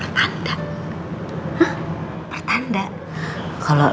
jangan mungkinicationsnya t fixes it